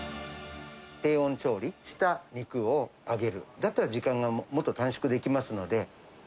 低温調理した肉を揚げる、だったら時間がもっと短縮できますので。